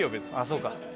そうか。